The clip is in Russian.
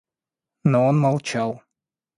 Но он молчал.